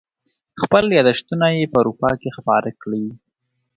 خپل یاداشتونه یې په اروپا کې خپاره کړي.